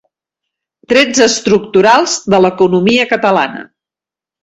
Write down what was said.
Trets estructurals de l'economia catalana: